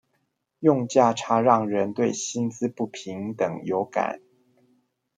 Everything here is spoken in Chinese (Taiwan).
用價差讓人對薪資不平等有感